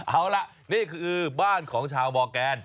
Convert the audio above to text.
เอาล่ะนี่คือบ้านของชาวมอร์แกน